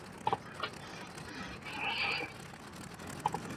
法韦罗莱。